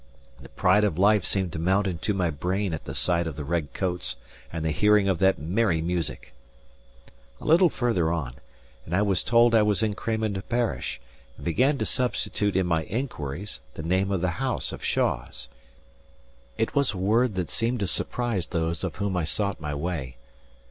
The pride of life seemed to mount into my brain at the sight of the red coats and the hearing of that merry music. A little farther on, and I was told I was in Cramond parish, and began to substitute in my inquiries the name of the house of Shaws. It was a word that seemed to surprise those of whom I sought my way.